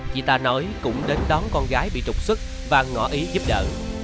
chị ta nói cũng đến đón con gái bị trục xuất và ngỏ ý giúp đỡ